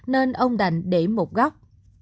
nên ông đành để một góc